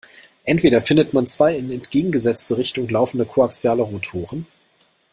Entweder findet man zwei in entgegengesetzte Richtung laufende koaxiale Rotoren.